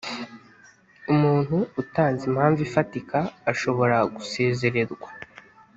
umuntu utanze impamvu ifatika ashobora gusezererwa